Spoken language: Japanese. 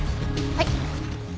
はい。